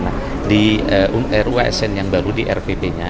nah di ruasn yang baru di rpp nya